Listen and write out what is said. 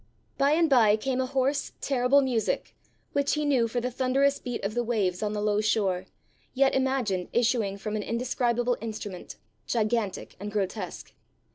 By and by came a hoarse, terrible music, which he knew for the thunderous beat of the waves on the low shore, yet imagined issuing from an indescribable instrument, gigantic and grotesque.